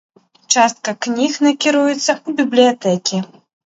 Частка кніг накіруецца ў бібліятэкі.